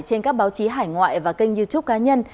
trên các báo chí hải ngoại và kênh youtube cá nhân